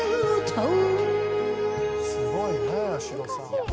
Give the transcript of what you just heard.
「すごいね八代さんは」